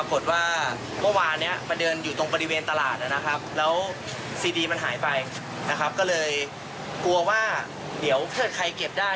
กลัวว่าเดี๋ยวถ้าเจอใครเก็บได้